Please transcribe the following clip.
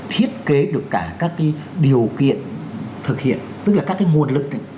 thiết kế được cả các điều kiện thực hiện tức là các nguồn lực